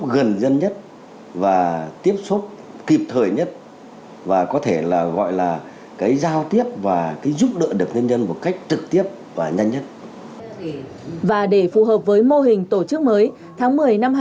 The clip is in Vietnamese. và để phù hợp với mô hình tổ chức mới tháng một mươi hai nghìn hai mươi một